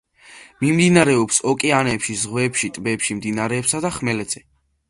მიმდინარეობს ოკეანეებში, ზღვებში, ტბებში, მდინარეებსა და ხმელეთზე.